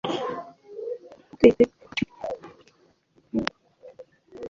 A na-ebufe ọtụtụ ngwaahịa n'akụkụ ndị ọzọ nke mba ahụ na mba ndị agbata obi.